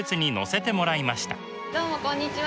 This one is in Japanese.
どうもこんにちは。